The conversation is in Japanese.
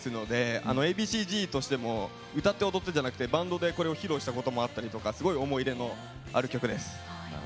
Ａ．Ｂ．Ｃ−Ｚとしても歌って踊ってではなくてバンドでこれを披露したこともあってすごく思い出のある曲です。